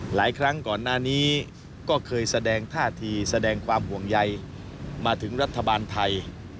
หลายครั้งก่อนหน้านี้ก็เคยแสดงท่าทีแสดงความห่วงใยมาถึงรัฐบาลไทย